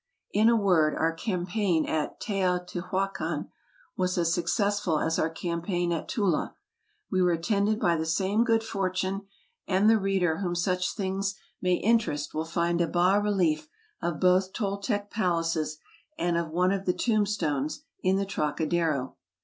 In a word, our campaign at Teotihuacan was as successful as our campaign at Tula. We were attended by the same good fortune, and the reader whom such things may interest will find a bas relief of both Toltec palaces, and of one of the tombstones, in the Trocadero.